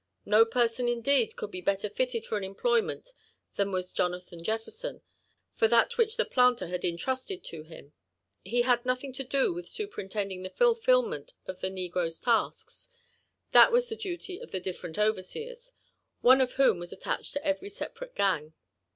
No person, indeed, could be better fitted for an employment than was lonathati lefTerson for that which the planter had entrusted to him. He had nothing to do with superintending the fulfilment of the ne groes' tasks ; that was the duty of the different overseers, one of whom was attached to every separate gang.